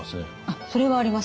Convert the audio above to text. あっそれはあります。